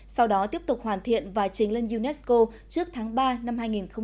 sau đó tiếp tục hoàn thiện và trình lên unesco trước tháng ba năm hai nghìn hai mươi